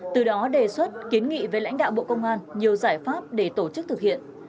từ đó đề xuất kiến nghị với lãnh đạo bộ công an nhiều giải pháp để tổ chức thực hiện